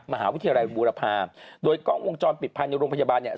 มหาวิทยาลัยบูรภา